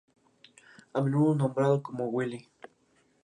A menudo nombrado como "Willy".